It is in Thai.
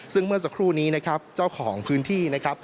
ซึ่งเมื่อสักครู่นี้เจ้าของพื้นที่